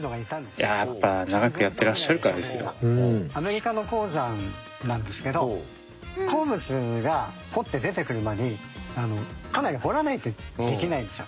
アメリカの鉱山なんですけど鉱物が掘って出てくる間にかなり掘らないとできないんですよ